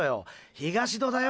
東戸だよ。